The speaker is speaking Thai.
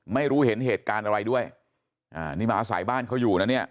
ไม่รู้เห็นเหตุการณ์อะไรด้วยอ่านี่มาอาศัยบ้านเขาอยู่นะเนี่ย